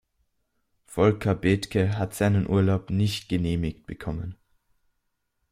Volker Bethke hat seinen Urlaub nicht genehmigt bekommen.